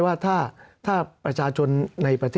สำหรับกำลังการผลิตหน้ากากอนามัย